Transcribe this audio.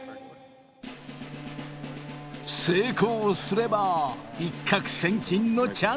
成功すれば一獲千金のチャンスが。